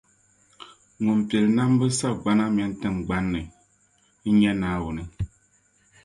Ŋun pili nambu sagbana mini tiŋgbani ni, n nyɛ Naawuni.